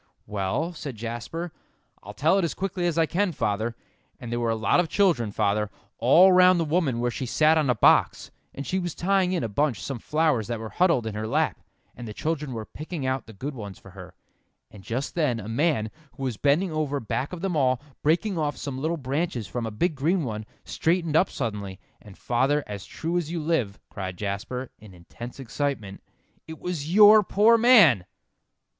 "Well," said Jasper, "I'll tell it as quickly as I can, father. And there were a lot of children, father, all round the woman where she sat on a box, and she was tying in a bunch some flowers that were huddled in her lap, and the children were picking out the good ones for her; and just then a man, who was bending over back of them all, breaking off some little branches from a big green one, straightened up suddenly, and, father, as true as you live," cried Jasper, in intense excitement, "it was your poor man!"